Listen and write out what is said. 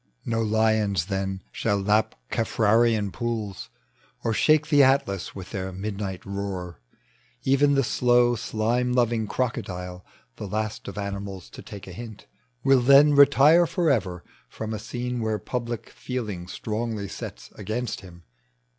179 No lioDS then shall lap Caffrarian pools, Or shake the Atlas with their midnight roar ; Even the slow, slime loving crocodile, The last of animals to take a hint, Will then retire forever from a scene Where public, feeling strongly sets against him.